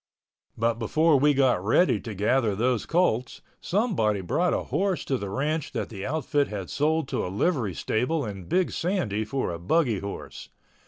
But before we got ready to gather those colts, somebody brought a horse to the ranch that the outfit had sold to a livery stable in Big Sandy for a buggy horse.